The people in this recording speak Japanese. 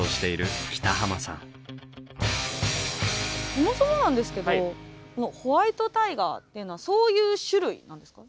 そもそもなんですけどホワイトタイガーっていうのはそういう種類なんですか？